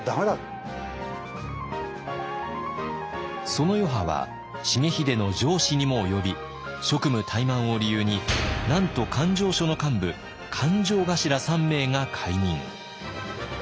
その余波は重秀の上司にも及び職務怠慢を理由になんと勘定所の幹部勘定頭３名が解任。